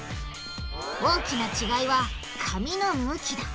大きな違いは紙の向きだ。